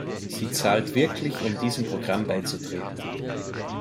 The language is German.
Sie zahlt wirklich, um diesem Programm beizutreten.